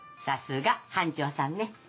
さすが班長さんね。